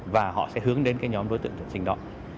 và họ sẽ hướng đến cái nhóm đối tượng tuyển sinh đó